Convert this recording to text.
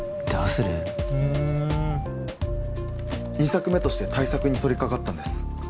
２作目として大作に取りかかったんです